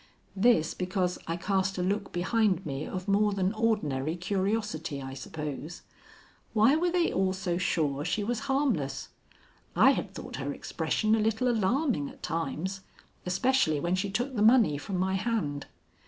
This, because I cast a look behind me of more than ordinary curiosity, I suppose. Why were they all so sure she was harmless? I had thought her expression a little alarming at times, especially when she took the money from my hand.